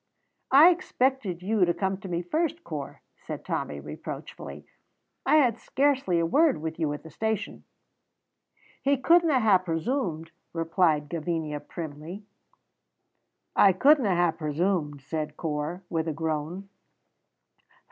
"I expected you to come to me first, Corp," said Tommy, reproachfully. "I had scarcely a word with you at the station." "He couldna hae presumed," replied Gavinia, primly. "I couldna hae presumed," said Corp, with a groan.